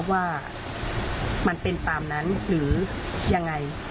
ว่ามันเป็นตามนั้นหรือยังไง